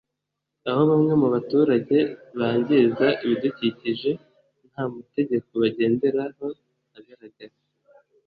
aho bamwe mu baturage bangiza ibidukikije nta mategeko bagendera ho agaragara